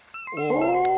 お！